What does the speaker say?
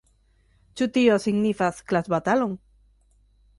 Ĉu tio signifas klasbatalon?